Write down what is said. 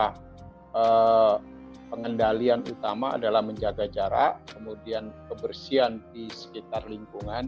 karena pengendalian utama adalah menjaga jarak kemudian kebersihan di sekitar lingkungan